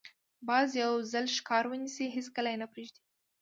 باز یو ځل ښکار ونیسي، هېڅکله یې نه پرېږدي